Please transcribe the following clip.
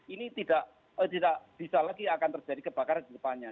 ini tidak bisa lagi akan terjadi kebakaran di depannya